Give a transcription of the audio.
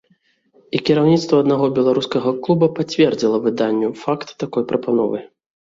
І кіраўніцтва аднаго беларускага клуба пацвердзіла выданню факт такой прапановы.